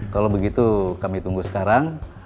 kalau begitu kami tunggu sekarang